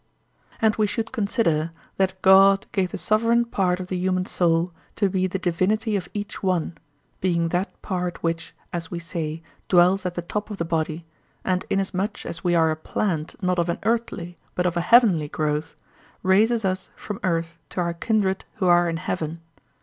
And we should consider that God gave the sovereign part of the human soul to be the divinity of each one, being that part which, as we say, dwells at the top of the body, and inasmuch as we are a plant not of an earthly but of a heavenly growth, raises us from earth to our kindred who are in heaven.